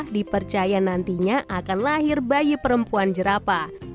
dipercaya nantinya akan lahir bayi perempuan jerapah